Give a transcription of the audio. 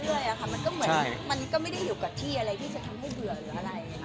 ด้วยค่ะมันก็เหมือนมันก็ไม่ได้อยู่กับที่อะไรที่จะทำให้เบื่อหรืออะไรค่ะ